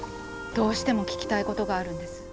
どうしても聞きたいことがあるんです。